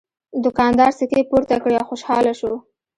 دوکاندار سکې پورته کړې او خوشحاله شو.